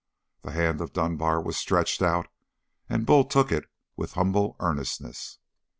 The hand of Dunbar was stretched out, and Bull took it with humble earnestness.